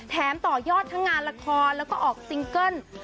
ต่อยอดทั้งงานละครแล้วก็ออกซิงเกิ้ล